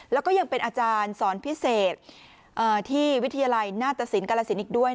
แล้วก็ยังเป็นอาจารย์สอนพิเศษที่วิทยาลัยหน้าตสินกาลสินอีกด้วย